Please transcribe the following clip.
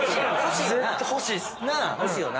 欲しいよな。